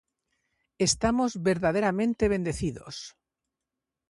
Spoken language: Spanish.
Estamos verdaderamente bendecidos.